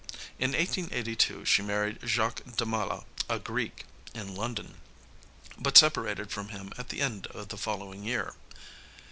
In 1882 she married Jacques Damala, a Greek, in London, but separated from him at the end of the following year.